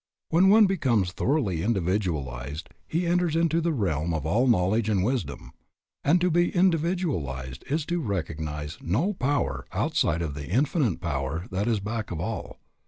When one becomes thoroughly individualized he enters into the realm of all knowledge and wisdom; and to be individualized is to recognize no power outside of the Infinite Power that is back of all.